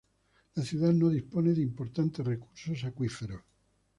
La ciudad no dispone de importantes recursos acuíferos.